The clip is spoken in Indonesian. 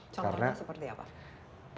contohnya seperti apa